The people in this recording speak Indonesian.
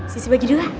sisi bagi dua